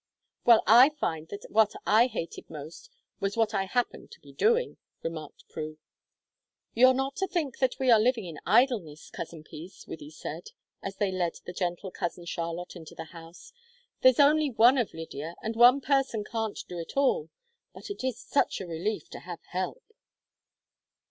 "Well, I find that what I hated most was what I happened to be doing," remarked Prue. "You're not to think that we are living in idleness, Cousin Peace," Wythie said, as they led the gentle Cousin Charlotte into the house. "There's only one of Lydia, and one person can't do it all, but it is such a relief to have 'help'!"